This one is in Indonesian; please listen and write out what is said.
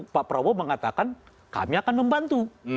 pak prabowo mengatakan kami akan membantu